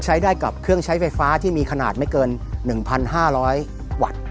ใช้ได้กับเครื่องใช้ไฟฟ้าที่มีขนาดไม่เกิน๑๕๐๐วัตต์